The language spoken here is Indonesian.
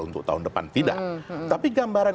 untuk tahun depan tidak tapi gambaran